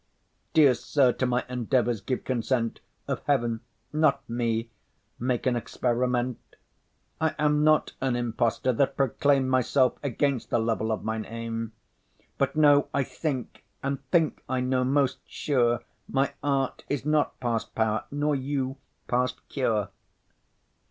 Dear sir, to my endeavours give consent; Of heaven, not me, make an experiment. I am not an impostor, that proclaim Myself against the level of mine aim, But know I think, and think I know most sure, My art is not past power nor you past cure.